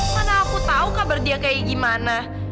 mana aku tahu kabar dia kayak gimana